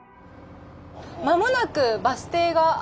間もなくバス停があると思います。